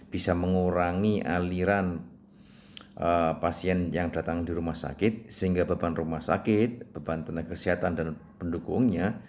bisa mengurangi aliran pasien yang datang di rumah sakit sehingga beban rumah sakit beban tenaga kesehatan dan pendukungnya